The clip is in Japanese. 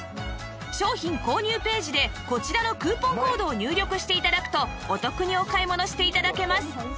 商品購入ページでこちらのクーポンコードを入力して頂くとお得にお買い物して頂けます